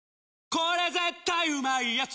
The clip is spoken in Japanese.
これ絶対うまいやつ」